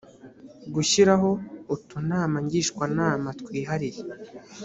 gushyiraho utunama ngishwanama twihariye